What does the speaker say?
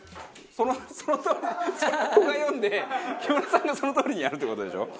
そのとおり僕が読んで木村さんがそのとおりにやるって事でしょ？